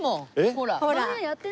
ほら。